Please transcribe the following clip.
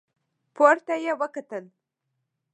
پورته يې وکتل.